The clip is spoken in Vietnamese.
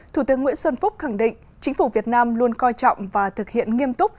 thủ tướng nguyễn xuân phúc khẳng định chính phủ việt nam luôn coi trọng và thực hiện nghiêm túc